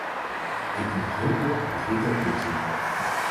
Ik wil nog heel kort een drietal punten noemen.